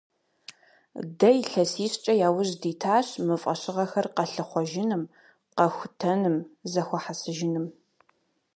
Дэ илъэсищкӀэ яужь дитащ мы фӀэщыгъэхэр къэлъыхъуэжыным, къэхутэным, зэхуэхьэсыжыным.